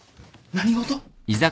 何事？